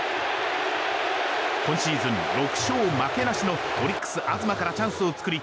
今シーズン、６勝負けなしのオリックス東からチャンスを作り